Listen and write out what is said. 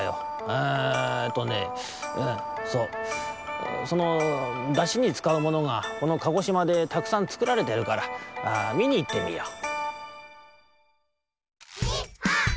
えとねうんそうそのだしにつかうものがこの鹿児島でたくさんつくられてるからみにいってみよう」。